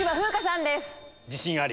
自信あり？